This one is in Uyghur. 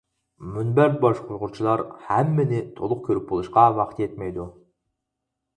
مۇنبەر باشقۇرغۇچىلار ھەممىنى تولۇق كۆرۈپ بولۇشقا ۋاقتى يەتمەيدۇ.